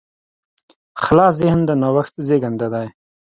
خلاص ذهن د نوښت زېږنده دی.